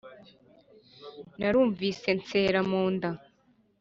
narumvise nsera mu nda